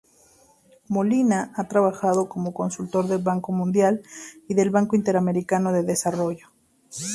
Molina ha trabajado como consultor del Banco Mundial y del Banco Interamericano de Desarrollo.